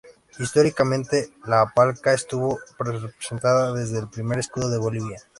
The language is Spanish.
Históricamente, la alpaca estuvo representada desde el primer escudo de Bolivia.